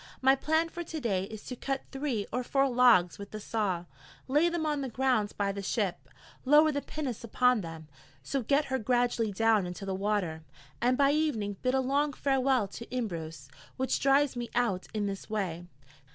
My plan for to day is to cut three or four logs with the saw, lay them on the ground by the ship, lower the pinnace upon them, so get her gradually down into the water, and by evening bid a long farewell to Imbros, which drives me out in this way.